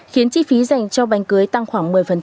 khiến chi phí dành cho bánh cưới tăng khoảng một mươi